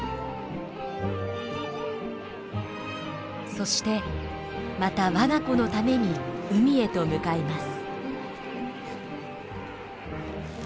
そしてまた我が子のために海へと向かいます。